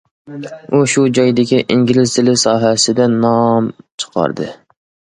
ئۇ شۇ جايدىكى ئىنگلىز تىلى ساھەسىدە نام چىقاردى.